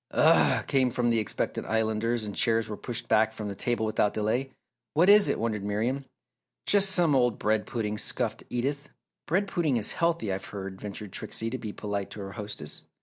"Ugh!" came from expectant Islanders and chairs were pushed back from the table without delay. "What is it?" wondered Miriam. "Just some old bread pudding!" scoffed Edith. "Bread pudding is healthy, I've heard," ventured Trixie to be polite to her hostess.